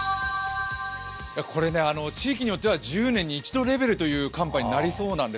これね、地域によっては１０年に一度レベルの寒波になりそうなんです。